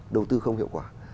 đầu tư không hiệu quả